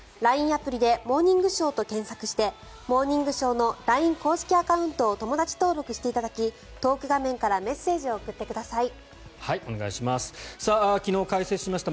アプリで「モーニングショー」と検索して「モーニングショー」のＬＩＮＥ公式アカウントを友だち登録していただきトーク画面からお願いします。